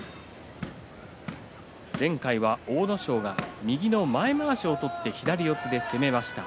前回は阿武咲が右の前まわしを取って左四つで攻めました。